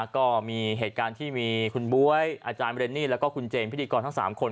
ก็มีเหตุการณ์ที่มีคุณบ๊วยอาจารย์เรนนี่แล้วก็คุณเจมส์พิธีกรทั้ง๓คน